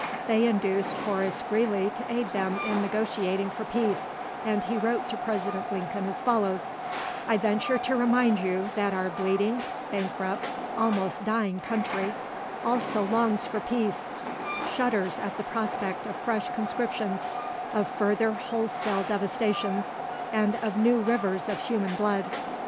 They induced Horace Greeley to aid them in negotiating for peace, and he wrote to President Lincoln as follows "I venture to remind you that our bleeding, bankrupt, almost dying country, also longs for peace; shudders at the prospect of fresh conscriptions, of further wholesale devastations, and of new rivers of human blood.